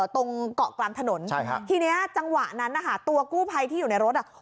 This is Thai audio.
ตรงเกาะกลางถนนใช่ฮะทีนี้จังหวะนั้นนะคะตัวกู้ภัยที่อยู่ในรถอ่ะ